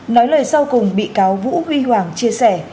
nói lời sau cùng bị cáo vũ huy hoàng chia sẻ